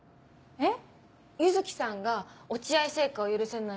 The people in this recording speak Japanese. えっ？